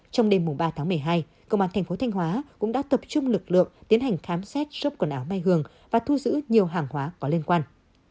trong đêm mùng ba tháng một mươi hai công an thành phố thanh hóa cũng đã tập trung lực lượng tiến hành khám xét xốp quần áo mai hường và thu giữ nhiều hàng hóa có liên quan